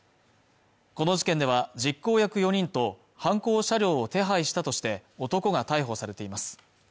この事件では実行役４人と犯行車両を手配したとして男が逮捕されています